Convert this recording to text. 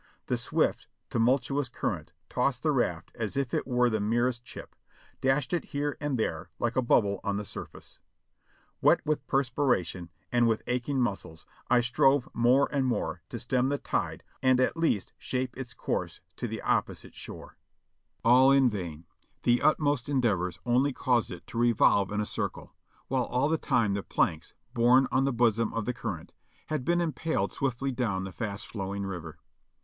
The swift, tumultuous current tossed the raft as if it were the merest chip, dashed it here and there like a bubble on the surface. Wet with perspiration and with aching muscles I strove more and more to stem the tide and at least shape its course to the opposite shore. 4/6 JOHNNY REB AND BILLY YANK All in vain ; the utmost endeavors only caused it to revolve in a circle, w^hile all the time the planks, borne on the bo^om of the current, had been impelled swiftly down the fast flowing '/er.